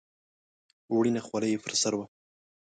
وړینه خولۍ یې پر سر وه.